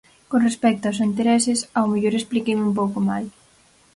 Con respecto aos intereses, ao mellor expliqueime un pouco mal.